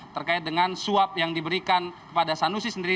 terkait dengan suap yang diberikan kepada sanusi sendiri